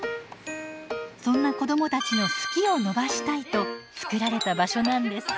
そんな子どもたちの「好き」を伸ばしたいと作られた場所なんです。